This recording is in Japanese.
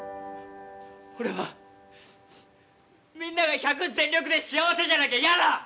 俺はみんなが１００全力で幸せじゃなきゃ嫌だ！